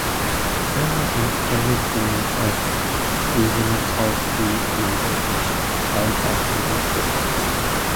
These were an early form of regional tollfree number which required operator assistance.